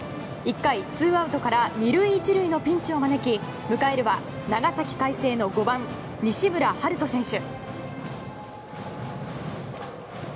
１回ツーアウトから２塁１塁のピンチを招き迎えるは長崎・海星の５番西村陽斗選手。